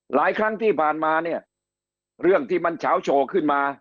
หลายครั้งที่ผ่านมาเนี่ยเรื่องที่มันเฉาโฉขึ้นมา